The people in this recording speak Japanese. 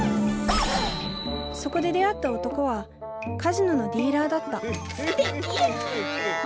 そこで出会った男はカジノのディーラーだったステキやん！